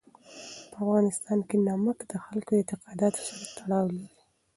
په افغانستان کې نمک د خلکو د اعتقاداتو سره تړاو لري.